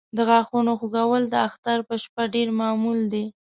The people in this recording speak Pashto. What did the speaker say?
د غاښونو خوږول د اختر په شپه ډېر معمول دی.